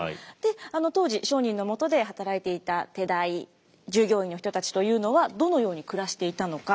当時商人のもとで働いていた手代従業員の人たちというのはどのように暮らしていたのか？